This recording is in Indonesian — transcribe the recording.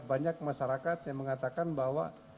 banyak masyarakat yang mengatakan bahwa